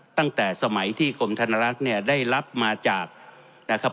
ตั้งแต่สมัยที่กรมธนรักษ์เนี่ยได้รับมาจากนะครับ